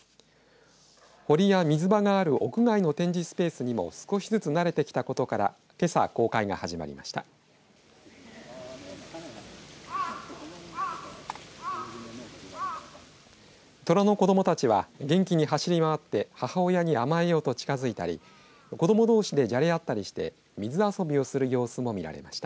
堀や水場がある屋内の展示スペースにも少しずつ慣れてきたことからけさ公開が始まりました。